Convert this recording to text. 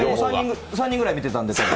３人ぐらい見てたんですけど。